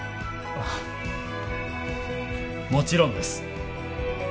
あっもちろんです